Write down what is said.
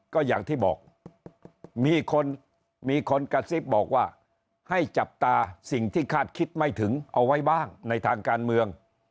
ก็อย่างที่บอกมีคนมีคนกระซิบบอกว่าให้จับตาสิ่งที่คาดคิดไม่ถึงเอาไว้บ้างในทางการเมือง